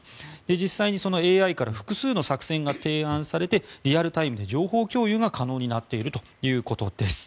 実際にそのＡＩから複数の作戦が提案されてリアルタイムで情報共有が可能になっているということです。